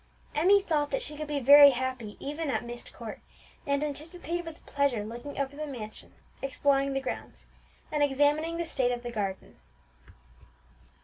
Emmie thought that she could be very happy even at Myst Court, and anticipated with pleasure looking over the mansion, exploring the grounds, and examining the state of the garden.